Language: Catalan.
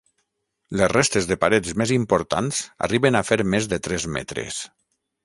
Les restes de parets més importants arriben a fer més de tres metres.